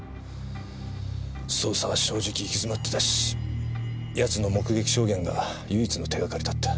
捜査は正直行き詰まってたし奴の目撃証言が唯一の手がかりだった。